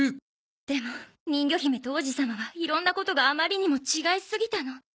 でも人魚姫と王子様はいろんなことがあまりにも違いすぎたの。